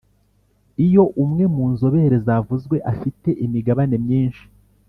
Iyo umwe mu nzobere zavuzwe afite imigabane myinshi